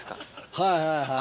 はいはいはい。